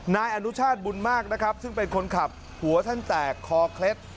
นายอนุชาติบุญมากนะครับซึ่งเป็นคนขับหัวท่านแตกคอเคล็ด